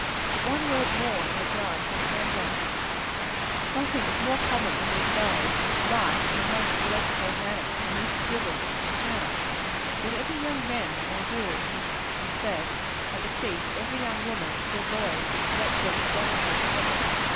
One word more in regard to your handwriting. Nothing is more common, in these days, than to write in a most illegible manner a mere scribble. Now, whatever young men may do in this respect, I beseech every young woman to avoid this wretched, slovenly habit.